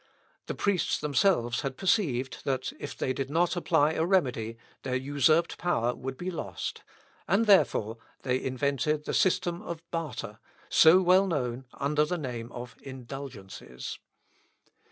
The priests themselves had perceived, that if they did not apply a remedy, their usurped power would be lost, and, therefore, they invented the system of barter, so well known under the name of Indulgences.